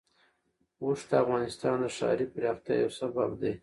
اوښ د افغانستان د ښاري پراختیا یو سبب دی.